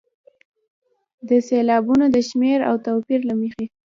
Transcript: د سېلابونو د شمېر او توپیر له مخې.